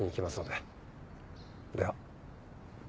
では。